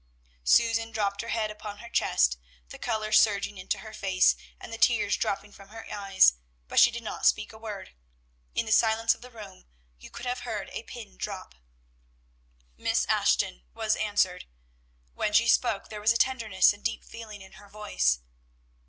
Susan dropped her head upon her chest, the color surging into her face, and the tears dropping from her eyes; but she did not speak a word. In the silence of the room you could have heard a pin drop. Miss Ashton was answered. When she spoke there was tenderness and deep feeling in her voice.